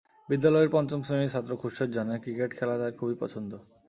বিদ্যালয়ের পঞ্চম শ্রেণির ছাত্র খুরশেদ জানায়, ক্রিকেট খেলা তার খুবই পছন্দ।